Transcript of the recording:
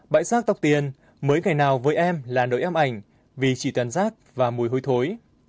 bãi rác tóc tiên mới ngày nào với em là nỗi ám ảnh vì chỉ toàn rác và mùi hôi thối